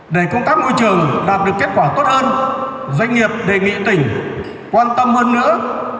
để công tác môi trường đạt được kết quả tốt hơn doanh nghiệp đề nghị tỉnh quan tâm hơn nữa